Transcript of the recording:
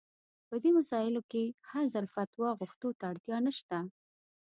په دې مسايلو کې هر ځل فتوا غوښتو ته اړتيا نشته.